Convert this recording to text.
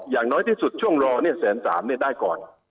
อย่างน้อยที่สุดช่วงรอแสนสามได้ก่อน